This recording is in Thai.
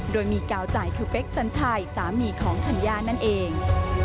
โดยมีกาวใจคือเป๊กสัญชัยสามีของธัญญานั่นเอง